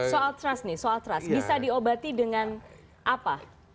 soal trust nih soal trust bisa diobati dengan apa